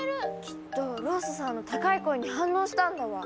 きっとロッソさんの高い声に反応したんだわ！